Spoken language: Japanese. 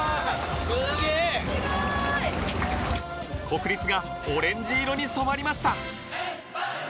国立がオレンジ色に染まりました